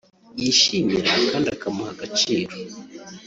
yishimira kandi akamuha agaciro